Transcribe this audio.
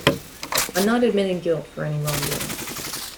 I'm not admitting guilt for any wrongdoing.